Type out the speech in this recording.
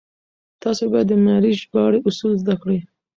تاسو بايد د معياري ژباړې اصول زده کړئ.